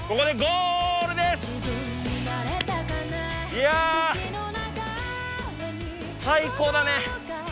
いやあ最高だね